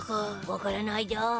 分からないだ。